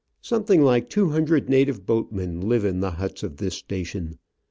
Some thing like two hundred native boatmen live in the huts of this sta^ tion.